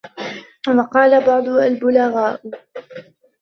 وَقَالَ بَعْضُ الْبُلَغَاءُ